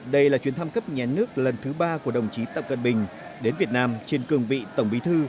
đây là chuyến thăm cấp nhà nước lần thứ ba của đồng chí tập cận bình đến việt nam trên cường vị tổng bí thư